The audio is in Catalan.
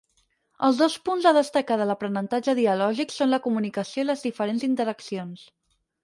Els dos punts a destacar de l’aprenentatge dialògic són la comunicació i les diferents interaccions.